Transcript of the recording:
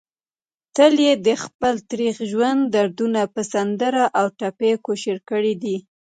تل يې دخپل تريخ ژوند دردونه په سندره او ټپه کوشېر کړي دي